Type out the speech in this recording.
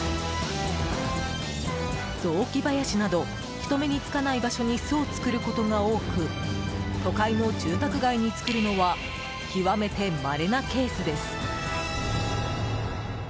雑木林など人目に付かない場所に巣を作ることが多く都会の住宅街に作るのは極めてまれなケースです。